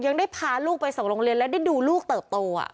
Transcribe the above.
ยังได้พาลูกไปส่งโรงเรียนและได้ดูลูกเติบโต